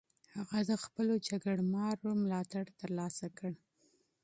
هغه د خپلو جګړه مارو ملاتړ ترلاسه کړ.